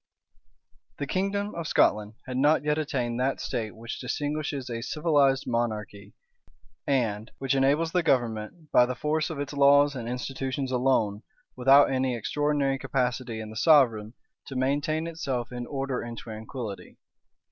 The kingdom of Scotland had not yet attained that state which distinguishes a civilized monarchy, and which enables the government, by the force of its laws and institutions alone, without any extraordinary capacity in the sovereign, to maintain itself in order and tranquillity.